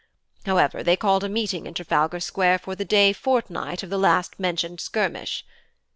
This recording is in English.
However, they called a meeting in Trafalgar Square for the day fortnight of the last mentioned skirmish.